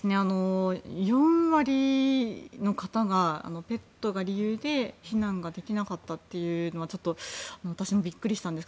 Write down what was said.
４割の方がペットが理由で避難ができなかったというのは私もビックリしたんです。